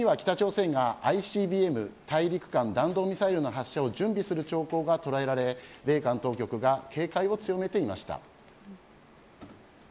先週には、北朝鮮がＩＣＢＭ大陸間弾道ミサイルの発射を準備する兆候が捉えられて米韓当局が警戒を強めていました。